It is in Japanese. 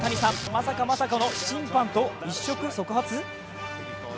まさかまさかの審判と一触即発？